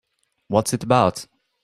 What is it about?